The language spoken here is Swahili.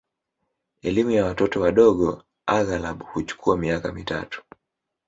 Elimu ya watoto wadogo aghalabu huchukua miaka mitatu